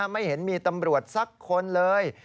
ไม่เห็นมีตำรวจสักคนเลย